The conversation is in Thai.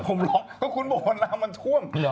ผมร้องก็คุณบอกว่าน้ำมันท่วมเหรอ